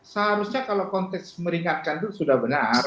seharusnya kalau konteks meringankan itu sudah benar